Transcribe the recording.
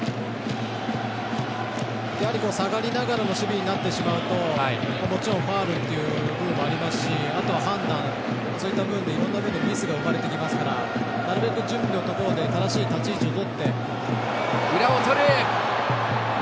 下がりながらの守備になってしまうともちろんファウルという部分もありますしあとは判断そういった部分でいろいろミスが生まれてきますからなるべく準備のところで正しい立ち位置をとって。